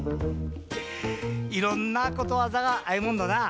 いろんなことわざがあるもんだなぁ。